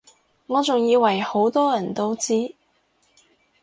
我仲以爲好多人都知